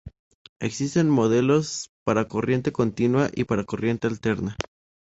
Existen modelos para corriente continua y para corriente alterna.